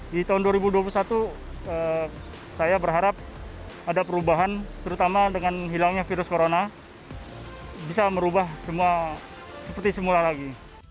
di tahun dua ribu dua puluh satu saya berharap ada perubahan terutama dengan hilangnya virus corona bisa merubah semua seperti semula lagi